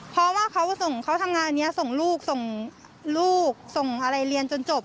เพราะว่าเขาทำงานอันนี้ส่งลูกส่งลูกส่งอะไรเรียนจนจบ